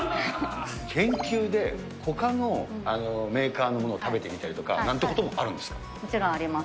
研究で、ほかのメーカーのものを食べてみたりとかなんてこともあるんですもちろんあります。